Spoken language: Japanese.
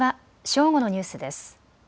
正午のニュースです。